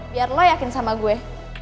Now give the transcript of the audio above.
biar lo yakin sama gue